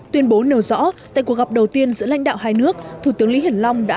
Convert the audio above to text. tuyên bố nêu rõ tại cuộc gặp đầu tiên giữa lãnh đạo hai nước thủ tướng lý hiển long đã